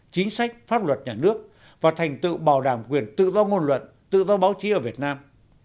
chính sách pháp luật nhà nước và thành tựu bảo đảm quyền tự do ngôn luận tự do báo chí ở việt nam